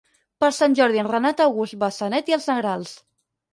Per Sant Jordi en Renat August va a Sanet i els Negrals.